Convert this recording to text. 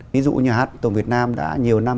ví dụ nhà hạt tổng việt nam đã nhiều năm